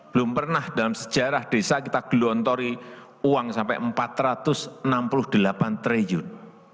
belum pernah dalam sejarah desa kita gelontori uang sampai rp empat ratus enam puluh delapan triliun